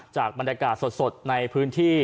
จากบรรยากาศสดในพื้นที่